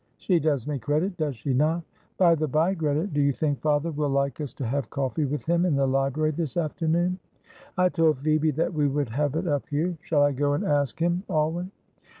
"She does me credit, does she not? By the bye, Greta, do you think father will like us to have coffee with him in the library this afternoon?" "I told Phoebe that we would have it up here; shall I go and ask him, Alwyn?"